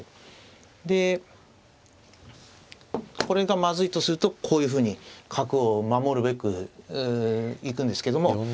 これがまずいとするとこういうふうに角を守るべく行くんですけども。